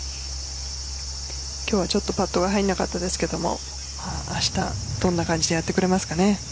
今日は、ちょっとパットが入らなかったですけど明日どんな感じでやってくれますかね。